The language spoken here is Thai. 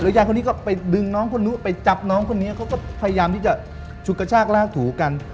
ยายคนนี้ก็ไปดึงน้องคนนู้นไปจับน้องคนนี้เขาก็พยายามที่จะฉุดกระชากลากถูกัน